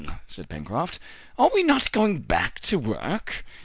said Pencroft, "are we not going back to work?